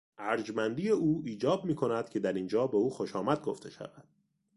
ارجمندی او ایجاب میکند که در اینجا به او خوشآمد گفته شود.